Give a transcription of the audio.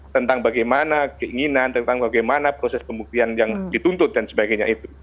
tentang bagaimana keinginan tentang bagaimana proses pembuktian yang dituntut dan sebagainya itu